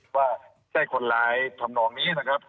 ว่าใช่คนร้ายทำนองนี้นะครับ